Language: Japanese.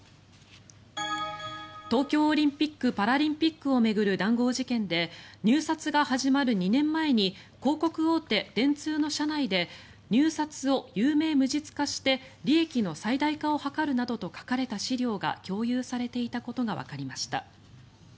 東京オリンピック・パラリンピックを巡る談合事件で入札が始まる２年前に広告大手、電通の社内で入札を有名無実化して利益の最大化を図るなどと書かれた資料が共有されていたことがわかりました。